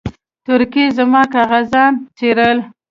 تورکي زما کاغذان څيرل.